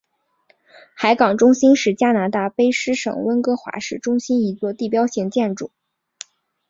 海港中心是加拿大卑诗省温哥华市中心一座地标性建筑。